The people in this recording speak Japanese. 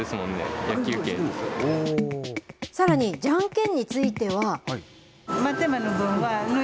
さらに、じゃんけんについては。